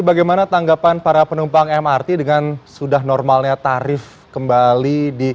bagaimana tanggapan para penumpang mrt dengan sudah normalnya tarif kembali